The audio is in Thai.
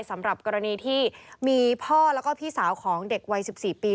สำหรับกรณีที่มีพ่อแล้วก็พี่สาวของเด็กวัย๑๔ปี